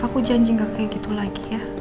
saya janji tidak lagi